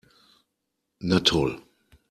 Na toll!